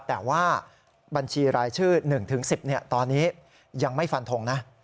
แต่ว่าบัญชีรายชื่อ๑๑๐ตอนนี้ยังไม่ฟันทงนะ